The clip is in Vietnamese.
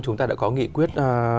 chúng ta đã có nghị quyết chín